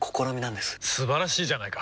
素晴らしいじゃないか！